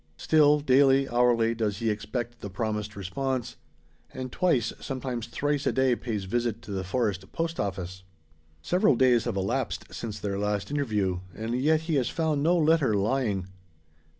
Still daily, hourly, does he expect the promised response. And twice, sometimes thrice, a day pays visit to the forest post office. Several days have elapsed since their last interview; and yet he has found no letter lying.